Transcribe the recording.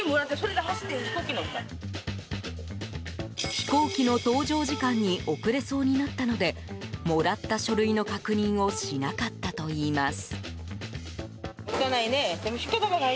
飛行機の搭乗時間に遅れそうになったのでもらった書類の確認をしなかったといいます。